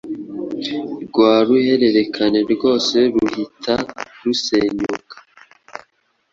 rwa ruhererekane rwose ruhita rusenyuka,